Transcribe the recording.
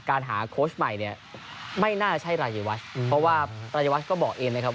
การหาโค้ชใหม่เนี่ยไม่น่าใช่รายวัฒน์เพราะว่ารายวัฒน์ก็บอกเองนะครับ